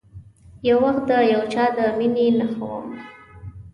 یو وخت د یو چا د میینې نښه وم